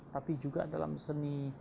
tapi juga dalam seni tutur kata